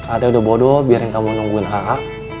artinya udah bodoh biarin kamu nungguin a'a